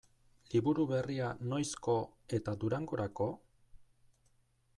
Liburu berria noizko eta Durangorako?